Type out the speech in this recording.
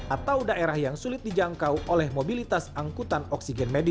atau daerah yang sulit dijangkau oleh mobilitas angkutan oksigen medis